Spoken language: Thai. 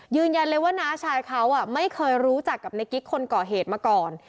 ยืนยันเลยว่าน้าชายเขาไม่เคยรู้จักกับในกิ๊กคนก่อเหตุมาก่อน